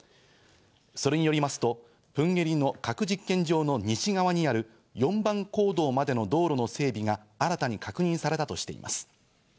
それによりますと、プンゲリの核実験場の西側にある４番坑道までの道路の整備が新たに確認されたとしています。